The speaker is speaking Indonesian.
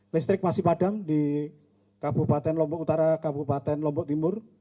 listrik masih padam di kabupaten lombok utara kabupaten lombok timur